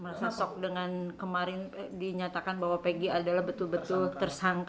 merasa kok dengan kemarin dinyatakan bahwa pg adalah betul betul tersangka